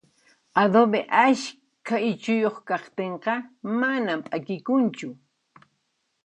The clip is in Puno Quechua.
Adobe ashka ichuyuq kaqtinqa manan p'akikunchu